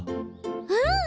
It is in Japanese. うん！